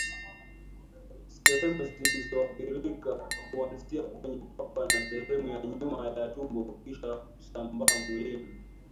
Sehemu zilizoathirika huanzia kwenye kwapa na sehemu ya nyuma ya tumbo kisha husambaa mwilini